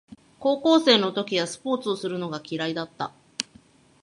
高校生の時はスポーツをするのが嫌いだった